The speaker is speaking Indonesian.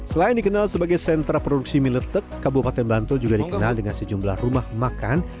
selain dikenal sebagai sentra produksi mie letek kabupaten bantul juga dikenal dengan sejumlah rumah makan